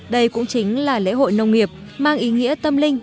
đây cũng chính là lễ hội nông nghiệp mang ý nghĩa tâm linh